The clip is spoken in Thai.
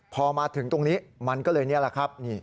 พอมาถึงตรงนี้มันก็เลยนี่แหละครับ